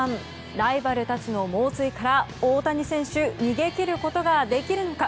ライバルたちの猛追から大谷選手逃げ切ることができるのか？